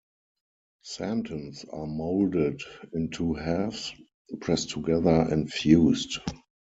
Santons are moulded in two halves, pressed together, and fused.